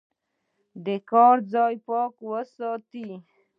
د کار ځای پاک وساتئ.